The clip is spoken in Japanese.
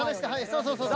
そうそうそう。